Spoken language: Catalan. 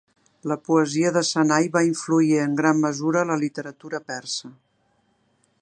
La poesia de Sanai va influir en gran mesura la literatura persa.